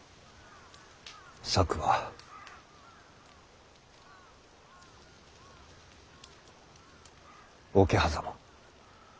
策は桶狭間。